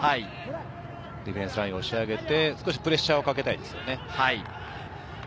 ディフェンスラインを押し上げて、少しプレッシャーをかけたいですよね。